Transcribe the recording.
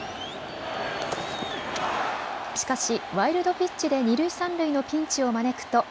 しかしワイルドピッチで二塁三塁のピンチを招くと。